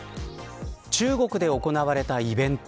中国で行われたイベント。